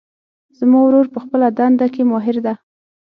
زما ورور په خپلهدنده کې ماهر ده